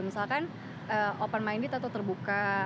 misalkan open minded atau terbuka